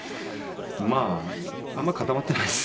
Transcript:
「まああんまり固まっていないです」